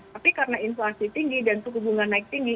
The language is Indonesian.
tapi karena inflasi tinggi dan hubungan naik tinggi